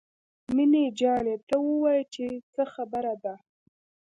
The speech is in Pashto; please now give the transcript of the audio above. مينه جانې ته ووايه چې څه خبره ده.